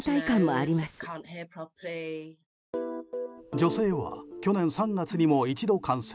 女性は、去年３月にも一度感染。